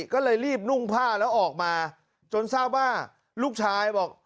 ก็เลยรีบนุ่งผ้าแล้วออกมาจนทราบว่าลูกชายบอก